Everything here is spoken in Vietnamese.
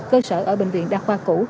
cơ sở ở bệnh viện đa khoa củ